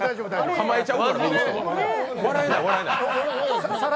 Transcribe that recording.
構えちゃうから！